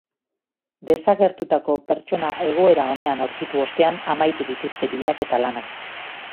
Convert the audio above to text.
Desagertutako pertsona egoera onean aurkitu ostean amaitu dituzte bilaketa lanak.